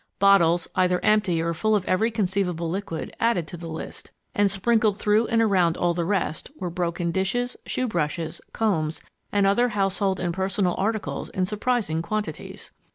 Bottles, either empty or full of every conceivable liquid, added to the list; and sprinkled through and around all the rest were broken dishes, shoe brushes, combs, and other household and personal articles in surprising quantities.